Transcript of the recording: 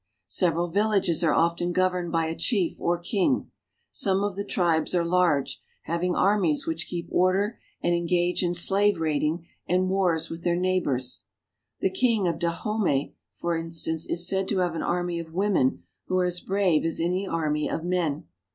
Several villages are often governed by a chief or king. Some of the tribes are large, having armies wbich keep order and engage in slave raiding and wars with their neighbors. The king of Dahomey (dii ho ma), for instance, is said to have an army of women who are as brave as any army of men.